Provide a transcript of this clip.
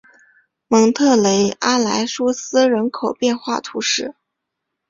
蒙特雷阿莱苏斯人口变化图示